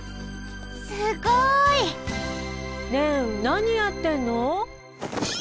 すごい！ねえなにやってんの？